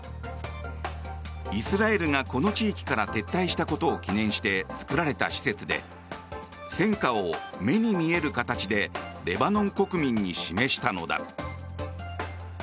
イスラエルがこの地域から撤退したことを記念して作られた施設で戦果を目に見える形でレバノン国民に示したのだ。